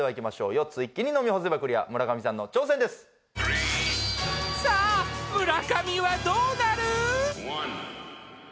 ４つ一気に飲み干せばクリア村上さんの挑戦ですさあ村上はどうなる？